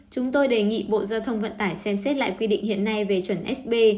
chúng tôi đề nghị bộ giao thông vận tải xem xét lại quy định hiện nay về chuẩn sb